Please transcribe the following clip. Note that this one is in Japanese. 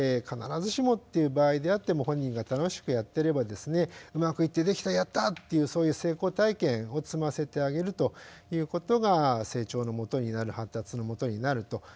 必ずしもっていう場合であっても本人が楽しくやってればですねうまくいって「できたやった」っていうそういう成功体験を積ませてあげるということが成長のもとになる発達のもとになると。